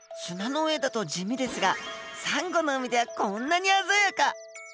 砂の上だと地味ですがサンゴの海ではこんなに鮮やか！